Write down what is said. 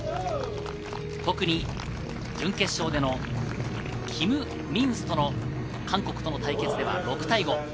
特に準決勝でのキム・ミンスとの、韓国との対決では６対５。